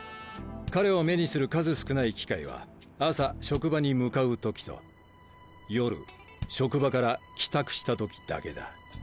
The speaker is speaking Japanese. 彼を目にする数少ない機会は朝職場に向かう時と夜職場から帰宅した時だけだ。